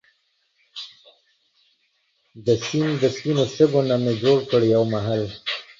دا سیند دا سپينو شګو نه مي جوړ کړو يو محل